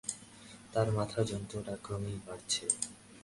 তার মাথার যন্ত্রণাটা ক্রমেই বাড়ছে।